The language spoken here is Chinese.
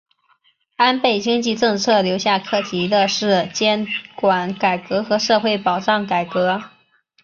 安倍经济政策留下课题的是监管改革和社会保障改革。